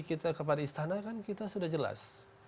kita kepada istana kan kita sudah jelas